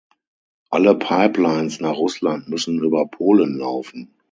Alle Pipelines nach Russland müssen über Polen laufen.